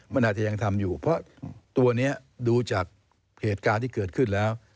มันอาจจะยังทำอยู่เพราะตัวนี้ดูจากเหตุการณ์ที่เกิดขึ้นแล้ว